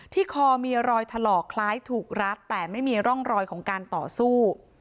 คอมีรอยถลอกคล้ายถูกรัดแต่ไม่มีร่องรอยของการต่อสู้